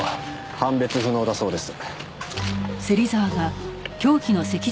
判別不能だそうです。